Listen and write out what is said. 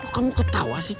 bradaring sampai tejin kalonww